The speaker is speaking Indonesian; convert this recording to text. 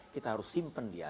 kita harus simpen dia